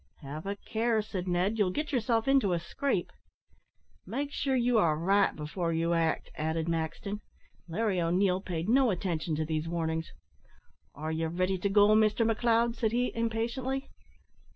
"Have a care," said Ned; "you'll get yourself into a scrape." "Make sure you are right before you act," added Maxton. Larry O'Neil paid no attention to these warnings. "Are ye ready to go, Mister McLeod?" said he, impatiently.